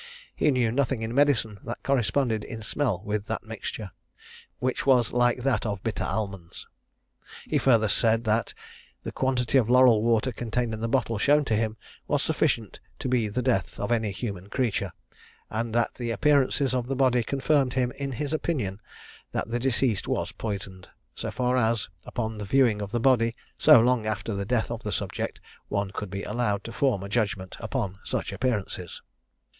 He knew nothing in medicine that corresponded in smell with that mixture, which was like that of bitter almonds. He further said that the quantity of laurel water contained in the bottle shown to him was sufficient to be the death of any human creature; and that the appearances of the body confirmed him in his opinion that the deceased was poisoned, so far as, upon the viewing a body so long after the death of the subject, one could be allowed to form a judgment upon such appearances.